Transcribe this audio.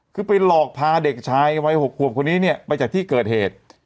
คือไปหลอกพาเด็กชายวัย๖ขวบคนนี้เนี่ยไปจากที่เกิดเหตุ